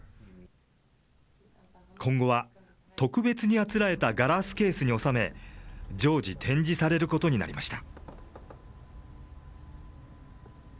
今後は特別にあつらえたガラスケースに収め、常時、展示されることになりました。